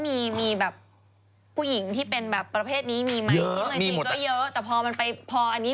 ไม่เคยดีแบบนี้